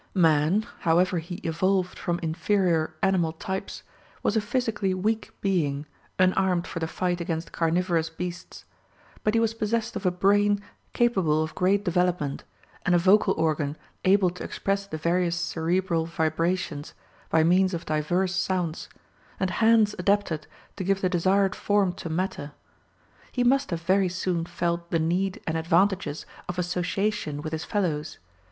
Man, however he evolved from inferior animal types, was a physically weak being, unarmed for the fight against carnivorous beasts. But he was possessed of a brain capable of great development, and a vocal organ, able to express the various cerebral vibrations, by means of diverse sounds, and hands adapted to give the desired form to matter. He must have very soon felt the need and advantages of association with his fellows.